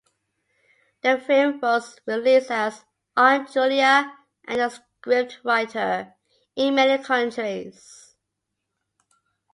The film was released as "Aunt Julia and the Scriptwriter" in many countries.